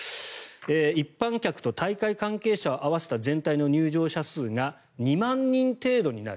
一般客と大会関係者を合わせた全体の入場者数が２万人程度になる。